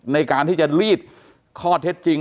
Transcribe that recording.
ในการที่จะลีดข้อเท็จจริง